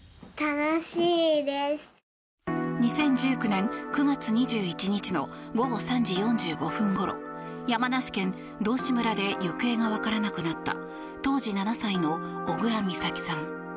２０１９年９月２１日の午後３時４５分ごろ山梨県道志村で行方が分からなくなった当時７歳の小倉美咲さん。